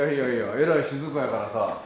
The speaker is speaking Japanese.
えらい静かやからさ。